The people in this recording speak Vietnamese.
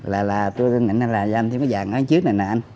là tôi nghĩ là anh thấy cái vàng ở trước này nè anh